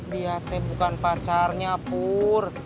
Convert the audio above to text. liatnya bukan pacarnya pur